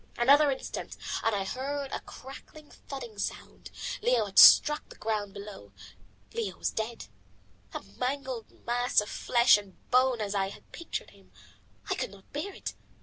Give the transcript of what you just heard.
Another instant and I heard a crackling, thudding sound. Leo had struck the ground below. Leo was dead, a mangled mass of flesh and bone as I had pictured him. I could not bear it.